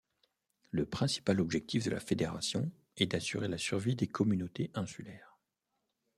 Le principal objectif de la Fédération est d'assurer la survie des communautés insulaires.